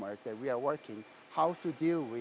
bagaimana cara kita menghadapi